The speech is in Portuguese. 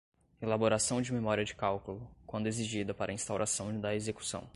elaboração de memória de cálculo, quando exigida para instauração da execução